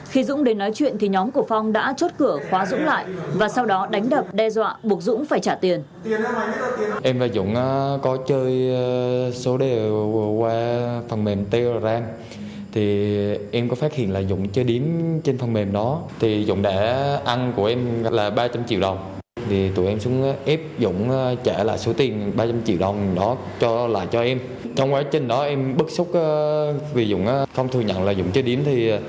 khi dũng đến nói chuyện thì nhóm của phong đã chốt cửa khóa dũng lại và sau đó đánh đập đe dọa buộc dũng phải trả tiền